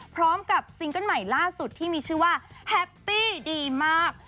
ซิงเกิ้ลใหม่ล่าสุดที่มีชื่อว่าแฮปปี้ดีมาก